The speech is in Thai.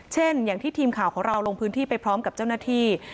อย่างที่ทีมข่าวของเราลงพื้นที่ไปพร้อมกับเจ้าหน้าที่